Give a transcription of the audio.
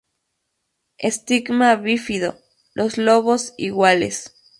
Estigma bífido, los lobos iguales.